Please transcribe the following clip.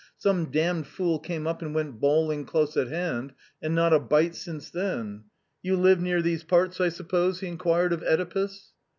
"Some damned fool came up and went bawling close at hand, and not a bite since then. You live near these parts, I suppose ?" he inquired of (Edipus.